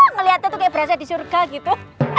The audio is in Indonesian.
ngelihatnya tuh kayak berasa di surga gitu